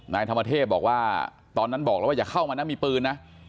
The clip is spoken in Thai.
นายธรรมเทพบอกว่าตอนนั้นบอกแล้วว่าอย่าเข้ามานะมีปืนนะ